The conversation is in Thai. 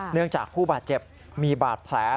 เนื่องจากผู้บาดเจ็บมีบาดแผล